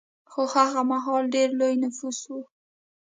خو هغه مهال ډېر لوی نفوس و